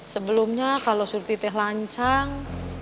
sebelumnya kalau surti teh lancang